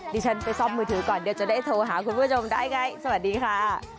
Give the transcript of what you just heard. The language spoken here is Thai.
ดิฉันไปซ่อมมือถือก่อนเดี๋ยวจะได้โทรหาคุณผู้ชมได้ไงสวัสดีค่ะ